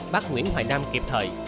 bác nguyễn hoài nam kịp thời